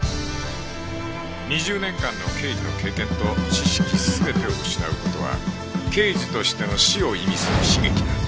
２０年間の刑事の経験と知識全てを失う事は刑事としての死を意味する悲劇だ